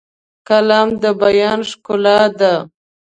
قلم د بیان ښکلا ده